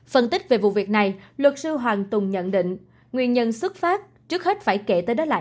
phân tích về vụ việc này luật sư hoàng tùng nhận định nguyên nhân xuất phát trước hết phải kể tới đó là